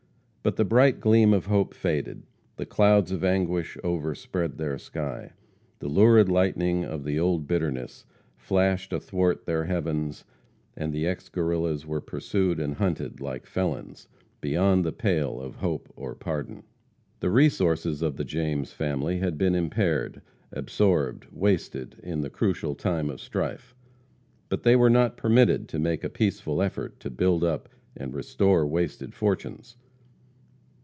But the bright gleam of hope faded; the clouds of anguish overspread their sky. The lurid lightning of the old bitterness flashed athwart their heavens, and the ex Guerrillas were pursued and hunted, like felons, beyond the pale of hope or pardon. The resources of the James family had been impaired, absorbed, wasted, in the crucial time of strife. But they were not permitted to make a peaceful effort to build up and restore wasted fortunes.